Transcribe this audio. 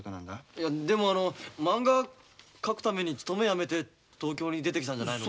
いやでもあのまんが描くために勤めやめて東京に出てきたんじゃないの？